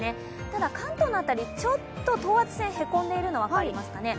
ただ関東の辺り、ちょっと等圧線へこんでいるのが分かりますかね。